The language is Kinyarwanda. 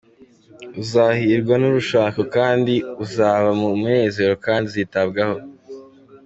uzahirirwa n’urushako kandi uzaba mu munezero kandi uzitabwaho.